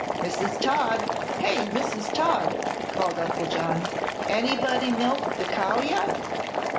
"Mrs. Todd! Hey, Mrs. Todd!" called Uncle John. "Anybody milked the cow yet?"